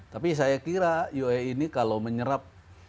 tapi saya kira ua ini kalau menyerap